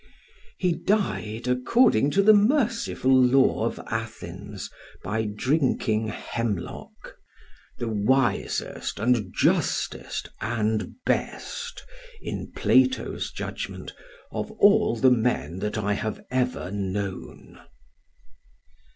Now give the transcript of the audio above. He died, according to the merciful law of Athens, by drinking hemlock; "the wisest and justest and best," in Plato's judgment, "of all the men that I have ever known."